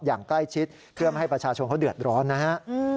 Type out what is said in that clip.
อย่างใกล้ชิดเพื่อไม่ให้ประชาชนเขาเดือดร้อนนะฮะ